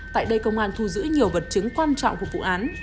tại đây công an thu giữ nhiều vật chứng quan trọng của vụ án